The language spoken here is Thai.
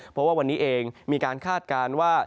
เพราะว่าวันนี้เองมีการคาดการณ์ว่า